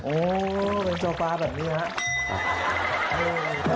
โอ้โหเป็นโซฟาแบบนี้ครับ